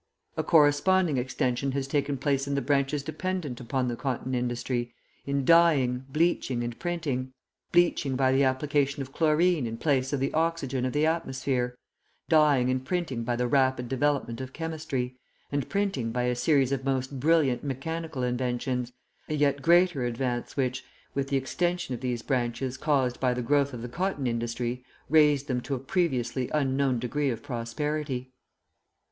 A corresponding extension has taken place in the branches dependent upon the cotton industry, in dyeing, bleaching, and printing. Bleaching by the application of chlorine in place of the oxygen of the atmosphere; dyeing and printing by the rapid development of chemistry, and printing by a series of most brilliant mechanical inventions, a yet greater advance which, with the extension of these branches caused by the growth of the cotton industry, raised them to a previously unknown degree of prosperity.